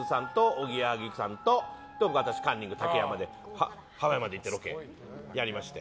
おぎやはぎさんと私、カンニング竹山でハワイまで行ってロケやりまして。